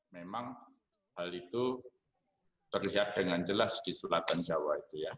memang hal itu terlihat dengan jelas di selatan jawa itu ya